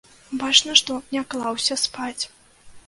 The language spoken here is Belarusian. Бачна, што не клаўся спаць.